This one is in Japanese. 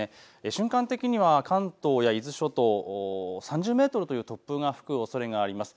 瞬間的には関東や伊豆諸島３０メートルという突風が吹くおそれがあります。